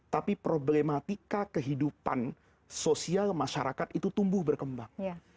tapi problematika kehidupan sosial masyarakat itu tumbuh berkembang